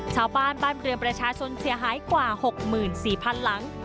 ชาวบ้านบ้านเรือประชาชนเสียหายกว่าหกหมื่นสี่พันหลัง